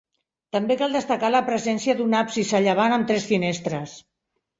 També cal destacar la presència d'un absis a llevant amb tres finestres.